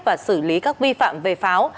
và xử lý các vi phạm về pháo